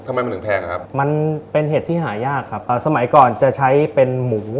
ทำไมมันถึงแพงครับมันเป็นเห็ดที่หายากครับอ่าสมัยก่อนจะใช้เป็นหมู